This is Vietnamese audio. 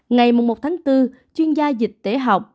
ngày một một bốn chuyên gia dịch tễ học